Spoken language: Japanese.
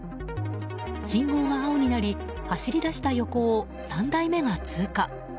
信号が青になり走り出した横を３台目が通過。